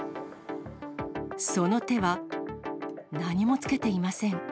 その手は、何もつけていません。